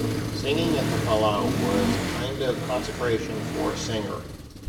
Singing at the Palau was a kind of consecration for a singer.